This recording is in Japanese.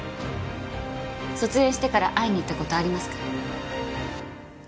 卒園してから会いに行った事ありますか？